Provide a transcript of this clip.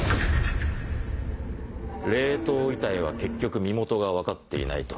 冷凍遺体は結局身元が分かっていないと。